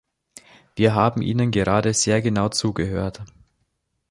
Wir haben Ihnen gerade sehr genau zugehört.